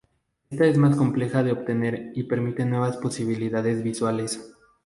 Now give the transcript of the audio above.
Ésta es más compleja de obtener y permite nuevas posibilidades visuales.